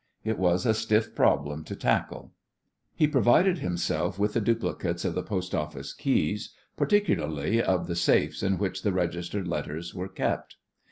It was a stiff problem to tackle. He provided himself with the duplicates of the post office keys, particularly of the safes in which the registered letters were kept.